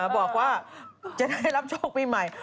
บอกว่าจะได้รับโชคปีใหม่